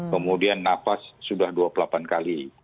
kemudian nafas sudah dua puluh delapan kali